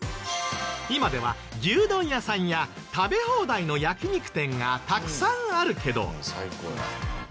今では牛丼屋さんや食べ放題の焼き肉店がたくさんあるけど。